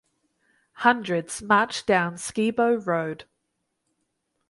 Hundreds marched down Skibo Road.